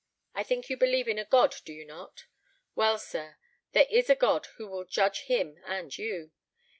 I think you believe in a God, do you not? Well, sir, there is a God who will judge him and you.